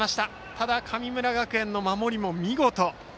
ただ、神村学園の守りも見事。